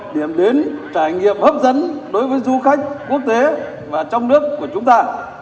điểm đến trải nghiệm hấp dẫn đối với du khách quốc tế và trong nước của chúng ta